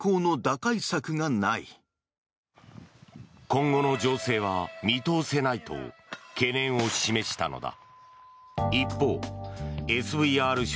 今後の情勢は見通せないと懸念を示したのだ。